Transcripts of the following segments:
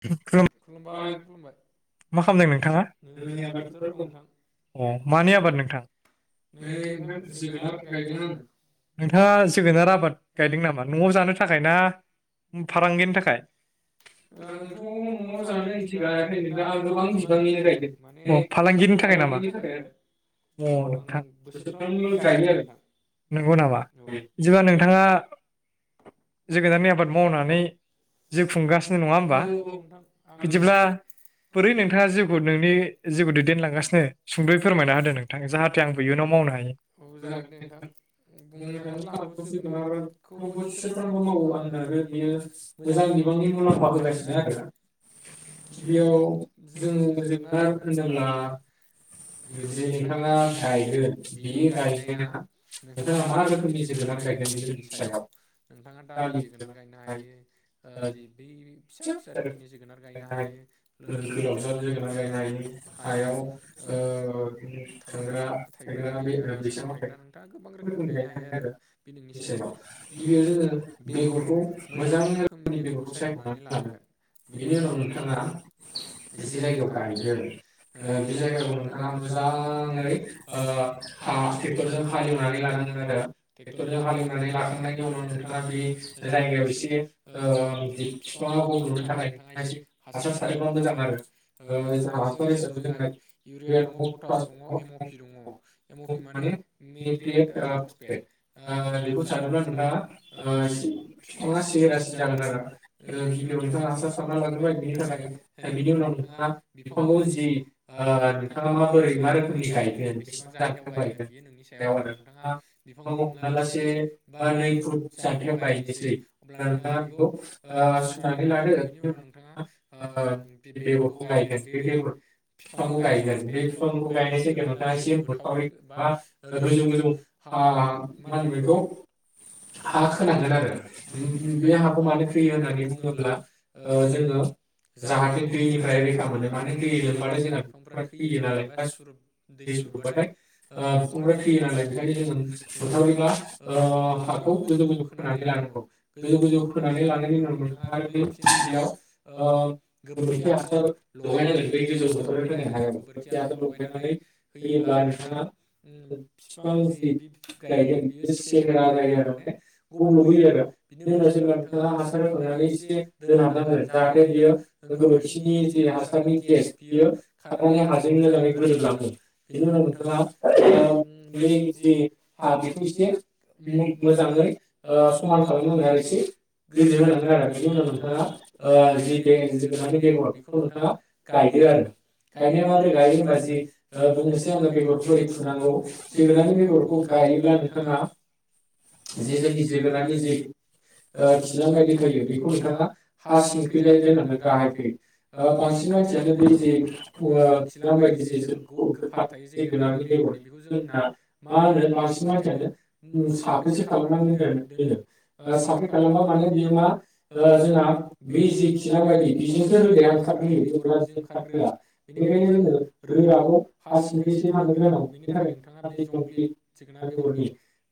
[unintelligible] मा खालामनाय नोंथाङा अ मानि आबाद नोंथां नोंथाङा जोगोनार आबाद गायदोंनामा नआव जानो थाखाय ना फारांगिनि थाखाय? थ नआव जानो इदि गायाखैनो नोंथां आं गोबां बिबांनिनो गायदों अ फालांगिनि थाखाय नामा नोंथां नंगौ नामा बिदिबब्ला नोंथाङा जोगोनारनि आबाद मावनानै जिउ खुंगासिनो नङा होम बा औ औ बिदिब्ला बोरै नोंथाङा जिउखौ नोंनि जिउखौ दैदेनलांगासिनो सुंदयै फोरमायना होदो नोंथां जाहाथे आंबो इयुनाव मावनो हायो। जागोनदे नोंथां [inaudible] बोरै मुलामफा बि लाइ गिबियाव जोङो जोगोनार होनोब्ला जे नोंथाङा गायगोन बे गायनाया नोंथाङा मा रोखोमनि जोगोनार गायगोन बे नोंनि सायाव नोंथाङा दालि जोगोनार गायनो हायो। ओ जे बै फि फिसा रोखोमनि जोगोनार गायनो हायो गोलावजार जोगोनार गायनो हायो हायाव ओ उम थांग्रा थायग्रा बे बैसाङाव थायग्रा नोंथाङा गोबां रोखोमनि गायनो हायो आरो बे नोंनि सायाव गिबियाव जोङो बेगरखौ मोजां रोखो नि बेगरखौ [unintelligible] बेनि उनाव नोंथाङा जि जायगायाव गायगोन ओ बे जायगाखौ नोंथाङा मोजाङै ओ हा ट्रेक्टरजों हालेवनानै लानांगोन आरो ट्रेक्टरजों हालेवनानै लाखांनायनि उनाव नोंथाङा बे जायगायाव इसे ओ जेथु फिफाङा गब्लनो थाखाय नोंथाङा एसे हासार सारोबा मोजां आरो ओ जाहा हासार हिसाबै जोंहा इउरिया दङ पटास दङ एम अ पि दङ एम अ पि माने मेट्रेट ओ पसपेट ओ बेखौ सारोब्ला नोंथाङा ओ एसे फिफाङा सेरासिन जागोन आरो। ओ गिबियाव नोंथाङा हासार सारना लाग्रोबाय बिनि थाखाय ओ बिनि उनाव नोंथाङा बिफांखौ जि ओ नोंथाङा माबोरै मा रोखोमनि गायगोन बेसेबां जान्थायाव गायगोन बियो नोंनि सायाव आरो नोंथाङा बिफांखौ हमना ला से बा नै फुट जान्थायाव गायनोसै अब्ला नों दा बेखौ ओ सुनानै लादो बेनि उनाव नोंथाङा ओ बे बेगरखौ गायगोन बे बेगर बिफांखौ गायगोन बे बिफांखौ गायनाय जायगायाव नोंथाङा एसे मोथावरि बा ओ गोजौ गोजौ हा मा होनोमोन इखौ हा खोनांगोन आरो उम बे हाथखौ मानो होननानै बुङोब्ला ओ जोङो जाहाथे दैनिफ्राय रैखा मोनो माने दै लोमबाथाय जोंहा बिफांफ्रा थैयो नालाय बा सुरुब दै सुरुबबाथाय ओ बिफांफ्रा थैयो नालाय बेनिखायनो जोङो मुथावरि बा ओ हाखौ गोजौ गोजौ खोनानै लानांगौ। गोजौ गोजौ खोनानै लानाय नोंथाङा आरो बे फिन बेयाव ओ गोबोरखि हासार लगायनांगोन बे गोजौ मोथावरि खोनाय हायाव गोबोरखि हासार लगायनानै होयोब्ला नोंथाङा उम बिफां जि बिब गायगोन बियो सेहेरा जायो आरो माने गब्लबबोयो आरो दे होनबा जेनेबा नोंथांआ हांनानै दोनहाबनांगोन जाहाथे बियो गोबोरखिनि जि हासारनि गेस बियो खारनानै हाजों मोजाङै गोरोबलाङो बेनि उनाव नोंथाङा ओ बे जि हा बेखौ एसे मोजांयै समान खा खालाम नारसो ‌ गोजो होनांगोन आरो बिनि उनाव नोंथाङा ओ जि बे जोगोनारनि बेगर बेखौ नोंथाङा गायदो आरो गायनाया माबोरै गायो होमबा जि बुंनोसै आङो बेगरखौ बोरै थुनांगौ जोगोननि बेगरखौ गायोब्ला नोंथाङा जि जोंनि जोगोनारनि जि ओ खि थायो बेखौ नोंथाङा हा सिंखोजाय दोननांगोन गाहायखै ओ बांसिन मानसियानो बे जि ओ खिलांबायायदि जे गोफार थायो जेगोनारनि बेगरनि बेखौ जोंना मा होनो बांसिन मानसियानो साखैसो खालामनानै दोन-दोनो। साफै खालामबाव बियो मा जोंना बे जि खिलां बायदि बिजोंसो रोदाया ओंखारग्रोयो बेगरा बेजों ओंखारग्रोआ बेनिखायनो जोङो रोदाखौ हा सिंखैसो थांहोग्रोनांगौ बेनि थाखाय नोंथाङा बे जंब्लिद जोगोनार बेगरनि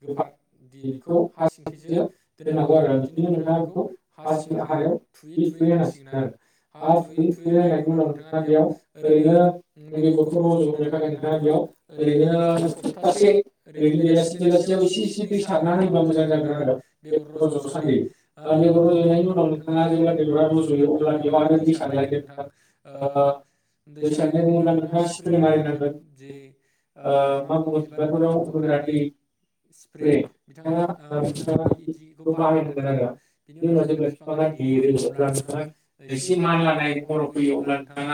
गोफार दि बेखौ हा सिंखैसो दोनांगौ आरो बिदि नोंथाङा बेखौ हा सिं हायाव थुयै थुयै होनोनांसिगोन आरो हा थुयै थुयै होनायनि उनाव नोंथाङा बेयाव ओरैनो बेगरखौ रज होनोनो थाखाय नोंथाङा बेयाव ओरैनो सप्तासे ओरैनो बेलासि बेलासियाव इसे इसे दै सारना होयोबा मोजां जागोन आरो एगार रज सानदै बेगर रज'नायनि उनाव नोंथाङा जेब्ला बेगरा रज'यो अब्ला बेयाव आरो दै सारलायदो नोंथां ओ दै सारनाय बुङोब्ला नोंथाङा स्प्रे मारिनांगोन जे ओ मा बुङो बिबारफोराव होग्रा दै स्प्रे बिथाङा नोंथाङा बि बेखौ बाहायनांगोन बिनि उनाव जेब्ला बिफाङा देरो अब्ला नोंथाङा एसे मानलानाय महराव फैयो अब्ला नोंथाङा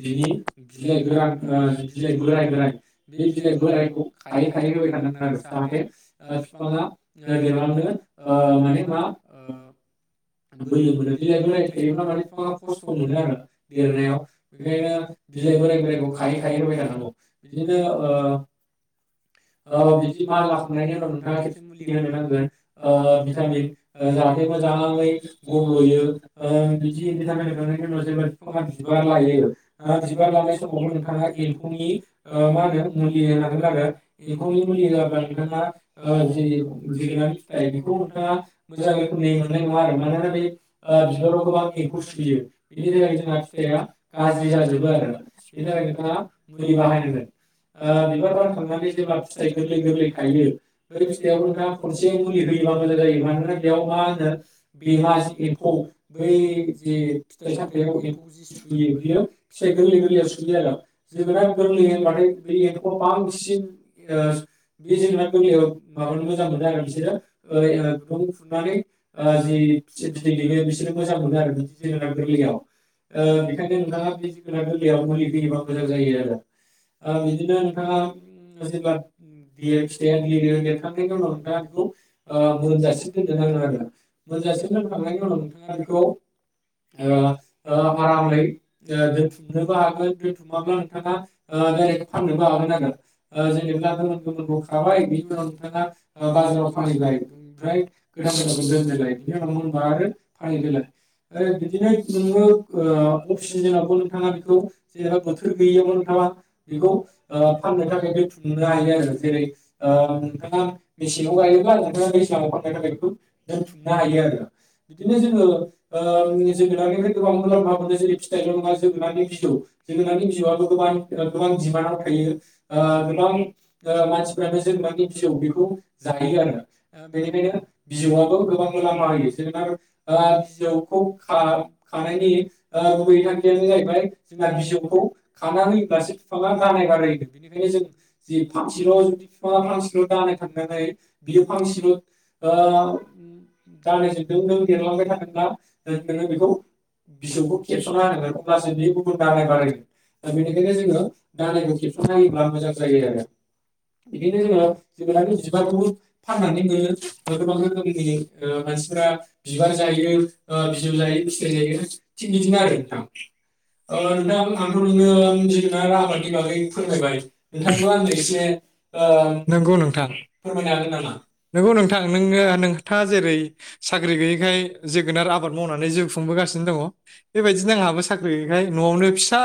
बिनि बिलाइ गोरान ओ बिलाइ बोराय बोराइ बे बिलाइ बोराइखौ खायै खायै होबाय थानांगोन आरो जाहाथे फिफाङा देरलांनो ओ माने ओ बोलो मोनो बिलाइ बोराइ थायोब्ला माने बिफाङा खस्थ मोनो आरो देरनायाव बेखायनो बिलाइ बोराइ बोराइखौ खायै खायै होबाय थानांगौ बिदिनो ओ ओ बिदि मानलाखांनायनि उनाव नोंथाङा खेबसे मुलि होनो नांगोन ओ भिटामिन जाहाथे मोजाङै गब्लयो ओ बिदि भिटामिन होखांनायनि उनाव जे बिफाङा बिबार लायो बिबार लानाय समावबो नोंथाङा ओ एम्फौनि ओ मा होनो मुलि होनांगोन आरो बेखांनि मुलि जाबा नोंथाङा ओ जि जि जोगोनानि बेखौ नोंथाङा मोजां रोखोमनि मोननाय नङा आरो मानोना बे ओ बिबाराव गोबां एमफौ सुयो बेनि थाखाय जोंहा फिथाइया गाज्रि जाजोबो आरो बेनि थाखाय नोंथाङा मुलि बाहायनांगोन ओ बिबारफोर बारखांनानै जे जेब्ला फिथाइ गोरलै गोरलै थायो बै फिथायाबो खनसे मुलि है मोजां जायो मानोना बेयाव मा होनो बे मा जि एम्फौ बै जि फिथाइ सामथाइयाव एम्फौ जि सुयो बियो फिथाइ गोरलै गोरलैयाव सुयो आरो जोगोनार गोरलै होनबाथाय बै एम्फौआ बांसिन ओ बे जोगोनार गोरलैयाव माबानो मोजां मोनो आरो बिसोरो ओय ओ गुदुं खुरनानै ओ जि बिदै दैनो बिसोरो मोजां मोनो आरो बिदि जोगोनार गोरलैयाव ओ बेखायनो नोंथाङा बे जोगोनार गोरलैयाव मुलि होयोबा मोजां जायो ओ बिदिनो नोंथाङा सोरबा लिर फिथाइया लिरो लिरखांनाय दङ दा आंखौ ओ मोनजासिम दोननो नांगोन आरो मोनजासिम दोनखांनायनि उनाव नोंथाङा बेखौ ओ आरामै ओ दोनथुमनोबो हागोन ओ दोनथुमाब्ला नोंथाङा दडाइरेक्ट फाननोबो हागोन आरो ओ जेनेब्ला गोमोन गोमोनखौ खाबाय बिनि उनाव नोंथाङा ओ बाजाराव फानहैबाय ओमफ्राय गोदान गोदानखौ दोनदोलाय बिनि उनाव मोनबा आरो फानहैदोलाय ओ बिदिनो नोङो ओ अफ खुंनो हायो आरो जेरै ओ नोंथाङा मेसेङाव गायोब्ला नों नोंथाङा दैज्लाङाव फाननो थाखाय बेखौ दोनथुमनो हायो आरो बिदिनो जोङो ओ ओम जोगोनारनिफ्राय गोबां मुलाम्फा मोनो जेरै फिथाइल' नङा जोगोनारनि बिजौ जोगोनारनि बिजौआबो गोबान-गोबां दिमान्दाव थायो। ओ गोबां ओ मानसिफ्रानो जोगोनारनि बिजौव बेखौ जायो आरो ओ बेनिखायनो बिजौआबो गोबां मुलाम्फा होयो जोगोनार ओ बिजौखौ खा-खानायनि ओ गुबै थांखियानो जाहैबाय जोंना बिजौखौ खाना होयोब्लासो बिफाङा दानाय बारायोनो। बिनिखायनो जों जि फांसेल' जुदि बिफाङा फांसेल' दानाय थांनानै बियो फांसेल' ओ दानायजों दों दों देरलांबाय थादोंब्ला नोङो बेखौ बिजौखौ खेबस'ना होनांगोन अब्लासो बियो गुबुन दानाय बारायगोन बेनिखायनो जोङो दानायखौ खेबस'ना होयोब्ला मोजां। जायो आरो बिदिनो जोङो जोगोनारनि बिबारखौबो फाननानै मोनो गोबां रोखोमनि ओ मानसिफोरा बिबार जायो ओ बिजौ जायो फिथाइ जायो थिग बिदिनो आरो नोंथां ओ नोंथां आंथ' नोंनो जोगोनार आबादनि बागै फोरमायबाय नोंथांखौ आं एसे ओ फोरमायनो हागोन नामा? नंगौ नोंथां नों नोंथाङा जेरै साख्रि गैयैखाय जोगोनार आबाद मावनानै जिउ खुंबोगासिनो दङ बेबायदिनो आंहाबो साख्रि गैयैखाय न'आवनो फिसा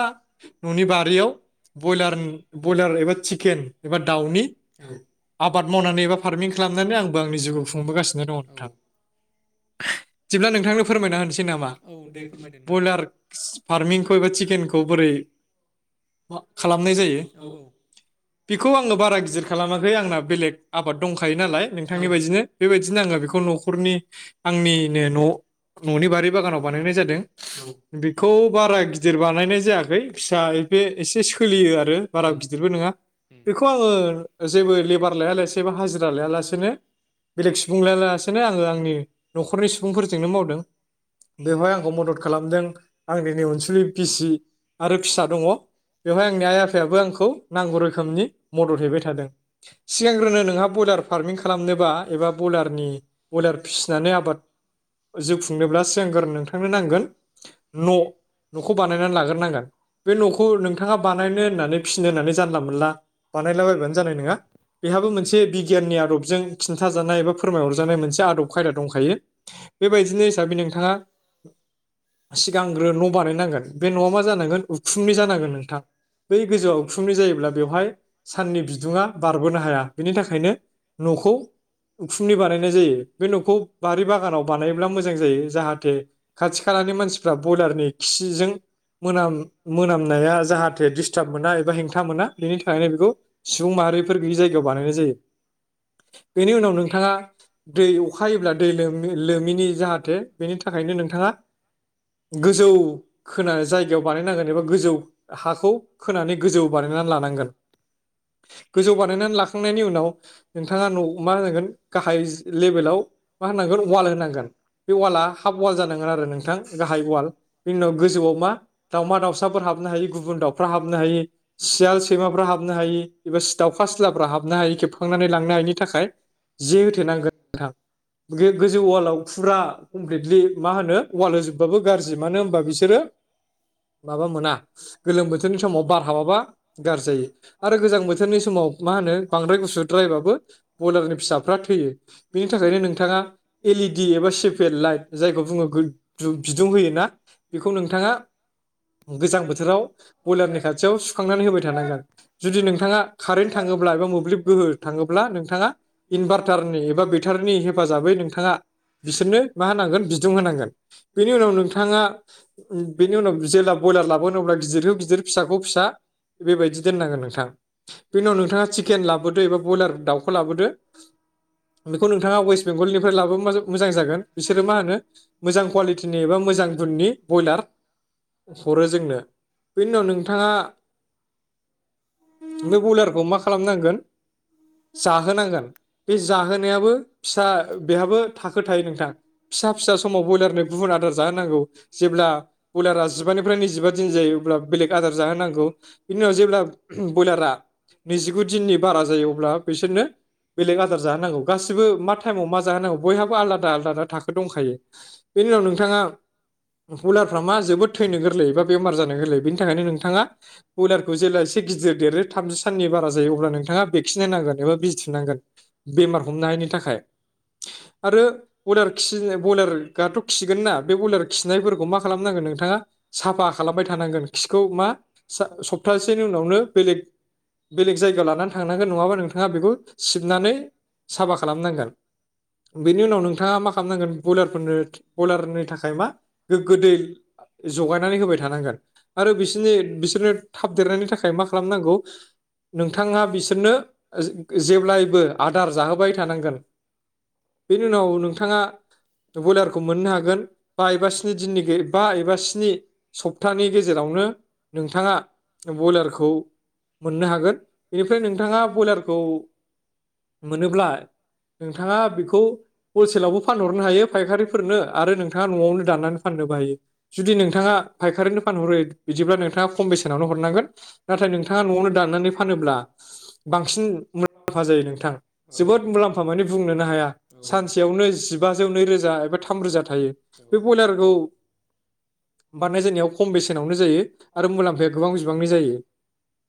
न'नि बारियाव बयलार ब्रयलार एबा चिकेन एबा दाउनि आबाद मावनानै एबा फार्मिं खालाम नानै आंबो आंनि जिउखौ खुंबोगानो दङ नोंथां। दिब्ला नोंथांनो फोरमायना होनोसै नामा ब्रयलार फारमिंखौ एबा चिकेनखौ बोरै खालामनाय जायो औ बेखौ आङो बारा गिदिर खालामाखै आंना बेलेग आबाद दंखायो नालाय नोंथांनि बायदिनो बेबायदिनो आङो बेखौ न'खरनि आंनिनो न' न'नि बारि बागानाव बानायनाय जादों बेखौ बारा गिदिर बानायनाय जायाखै फिसा एसे सोलियो आरो बारा गिदिरबो नोङा बेखौ आङो जेबो लेबार लाया लासे हाजिरा लाया लासेनो बेलेग सुबुं लाया लासेनो आङो आंनि न'खरनि सुबुंफोर जोंनो मावदों बेहाय आ म आं दिनै अनसुलि बिसि आरो फिसा दङ बेवहाय आंनि आइ आफायाबो आंखौ नांगौ रोखोमनि मदद हैबाय थादों सिगांग्रोनो नोंहा ब्रयलार फार्मिं खालामनोबा एबा बयलारनि बयलार फिसिनानै आबाद जिउ खुंनोब्ला सिगांगोर नोंथांनो नांगोन न' न'खौ बानायनानै लाग्रोनांगोन बे न'खौ नोंथाङा बानायनो होननानै फिनो होननानै जानला मोनला बानायलाबायबानो जानाय नङा बेहाबो मोनसे बिगियाननि आदबजों खिन्थाजानाय एबा फोरमायहरजानाय मोनसे आदब खायदा दंखायो। बेबायदिनो हिसाबै नोंथाङा सिगांग्रो न' बानायनांगोन बे न'आ मा जानांगोन उखुमनि जानांगोन नोंथां। बै गोजौआव उखुमनि जायोब्ला बेवहाय साननि बिदुङा बारबोनो हाया बेनि थाखायनो नखौ उखुमनि बानायनाय जायो बे नखौ बारि बागानाव ब बानायोब्ला मोजां जायो जाहाथे खाथि खालानि मानसिफ्रा बयलारनि खिजों मोनाम मोनामनाया जाहाथे दिसथा दाब मोननाय बा एबा हेंथा मोना बेनि थाखायनो बेखौ सुबुं माहारिफोर गैयै जायगायाव बानायनाय जायो बेनि उनाव नोंथाङा दै अखा हायोब्ला दै लोमि। लोमिनि जाहाथे बेनि थाखायनो नोंथाङा गोजौ खोना जायगायाव बानायनांगोन एबा गोजौ हाखौ। खोनानै गोजौ बानायनानै लानांगोन। गोजौ बानायनानै लाखांनायनि उनाव नोंथाङा न मा जागोन गाहायज लेभेलाव मा होनांगोन वाल होनांगोन बे वालाआ हाफ वाल जानांगोन आरो नोंथां गाहाय वाल बेनि उनाव गोजौआव मा दाउमा दाउसाफोर हाबनो हायि गुबुन दाउ फ्रा हाबनो हायि सियाल सैमाफ्रा हाबनो हायि। एबा सि दावखा सिलाफ्रा हाबनो हायि खेबखांनानै लांनो हायिनि थाखाय जे होथेनांगोन नोंथां बे गोजौ उवालाव फुरा कमप्लिटलि मा होनो वाल होजोबबाबो गाज्रि मानो होमबा बिसोरो माबा मोना गोलोम बोथो थोरनि समाव बार हाबाबा गारजायो आरो गोजां बोथोरनि स समाव मा होनो बांद्राय गुसुद्रायबाबो बयलारनि फिसाफ्रा थैयो बेनि थाखायनो नोंथाङा एलिडि एबा सेफियेल लाइट जायखौ बुङो गो दु बिदुं होयोना बेखौ नोंथाङा गोजां बोथोराव। बयलारनि खाथियाव सुखांनानै होबाय थानांगोन जुदि नोंथाङा। खारेन्ट थाङोब्ला एबा मोब्लिब गोहो थाङोब्ला नोंथाङा इनभारटारनि एबा बेथारनि हेफाजाबै नोंथाङा बिसोरनो मा होनांगोन बिदुं होनांगोन बेनि उनाव नोंथाङा ओम बेनि उनाव जेब्ला बयलार लाबोन अब्ला बिजिरो। जिर फिसाखौ फिसा बेबायदि दोननांगोन नोंथां। बेनि उनाव नोंथाङा चिकेन लाबोदो एबा बयलार दाउखौ लाबोदो बेखौ नोंथाङा वेस्ट बेंगलनिफ्राय लाबोबा मोजां जागोन बिसोरो मा होनो मोजां कुवालिटिनि एबा मोजां गुननि बयलार हरो जोंनो। बेनि उनाव नोंथांङा। ओमफाय बयलारखौ मा खालामनांगोन जाहोनांगोन बे जाहोनायाबो फिसा बेहाबो थाखो थायो नोंथां फिसा फिसा समाव बयलारनो गुबुन आदार जाहोनांगौ जेब्ला बयलारा जिबानिफ्राय नैजिबा दिन जायो। ब्लाब बेलेग आदार जाहोनांगौ इनि उनाव जेब्ला [unintelligible] बयलारा नैजिगु दिननि बारा जायो अब्ला बेसोरनो बेलेग आदार जाहोनांगौ गासैबो मा टाइमाव मा जाहोनांगौ बयहाबो आलादा आलादादा थाखो दंखायो बेनि उनाव नोंथाङा बयलारफ्रा मा जोबोद थैनो गोरलै बा बेमार जानो गोरलै। बेनि थाखायनो नोंथाङा बयलारखौ जेला इसे गिदि [unintelligible] देरो थामजि साननि बारा जायो अब्ला नोंथाङा भेक्सिन होनांगोन एबा बिजि थुनांगोन बेमार हमनो हायिनि थाखाय आरो बयलार खि बयलारग आथ खिगोन ना बे बयलार खिनायफोरखौ मा खालामनांगोन नोंथाङा साफा खालामबाय थानांगोन। खौ मा सा सप्तासेनि उनावनो। बेलेग जायगायाव लानानै थांनांगोन नङाबा नोंथाङा बेखौ सिबनानै साफा खालामनांगोन बेनि उनाव नोंथाङा मा खालामनांगोन बयलारफोरनो बयलारनि थाखाय मा गोग्गो दै आ जगायनानै होबाय थानांगोन। आरो बिसिनि बिसोरनो थाब देरनायनि थाखाय मा खा नोंगौ नोंथाङा बिसोर जेबलायबो आदार जाहोबाय थांगोन बेनि उनाव नोंथाङा बयलारखौ मोननो हागोन बा एबा स्नि बा एबा स्निसपतानि गेजेरावनो नोंथाङा बयलारखौ मोननो हागोन बेनिफ्राय नोंथाङा बयलारखौ मोनोब्ला नोंथाङा बेखौ हलसेलावबो फानहरनो हायो फायखारिफोरनो आरो नोंथाङा नआवनो दाननानै फाननोबो हायो जुदि नोंथाङा फायखारिनि फानहरो बिदिब्ला नोंथाङा खम बेसेनावनो हरनांगोन नोंथाङा नआवनो दाननानै फानोब्ला बांसिन मुलाम्फा जायो नोंथां जोबोद मुलाम्फा मानिे बुंनोनो हाया सानसेयावनो जिबाजौ नैरोजा एबा थामरोजा थायो बे बयलारखौ बारनाय जानायाव खम बेसेनावनो जायो आरो मुलाम्फाया गोबां बिबांनि जायो